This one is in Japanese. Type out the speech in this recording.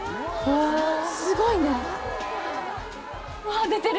すごいな。